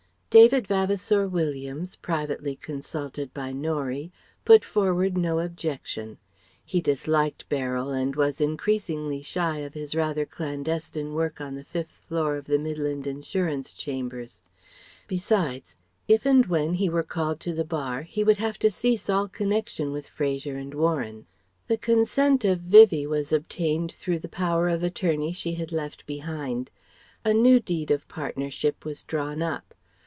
David Vavasour Williams, privately consulted by Norie, put forward no objection. He disliked Beryl and was increasingly shy of his rather clandestine work on the fifth floor of the Midland Insurance Chambers; besides, if and when he were called to the Bar, he would have to cease all connection with Fraser and Warren. The consent of Vivie was obtained through the Power of Attorney she had left behind. A new deed of partnership was drawn up.